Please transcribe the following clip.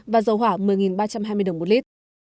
và dầu hỏa một mươi ba trăm hai mươi đồng một lít